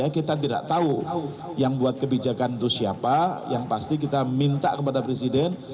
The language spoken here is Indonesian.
kita tidak tahu yang buat kebijakan itu siapa yang pasti kita minta kepada presiden